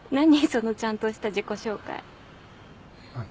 そのちゃんとした自己紹介あっ